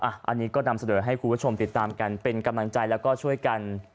อันนี้ก็นำเสนอให้คุณผู้ชมติดตามกันเป็นกำลังใจแล้วก็ช่วยกัน